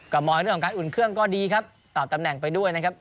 ก็มองเรื่องของการอุ่นเครื่องก็ดีครับตอบตำแหน่งไปด้วยนะครับ